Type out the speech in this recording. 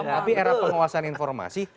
tapi era penguasaan informasi